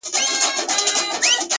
د زړگي ښار ته مي لړم د لېمو مه راوله ـ